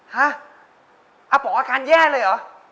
ฮะอาป๋องอาการแย่เลยเหรอ